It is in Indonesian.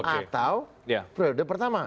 atau periode pertama